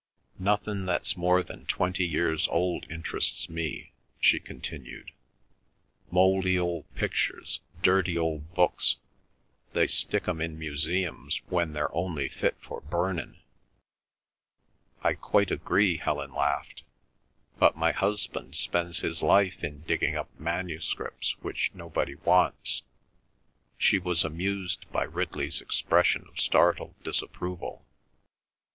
"Nothin' that's more than twenty years old interests me," she continued. "Mouldy old pictures, dirty old books, they stick 'em in museums when they're only fit for burnin'." "I quite agree," Helen laughed. "But my husband spends his life in digging up manuscripts which nobody wants." She was amused by Ridley's expression of startled disapproval.